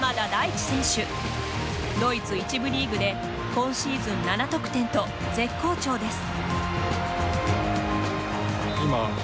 ドイツ１部リーグで今シーズン７得点と絶好調です。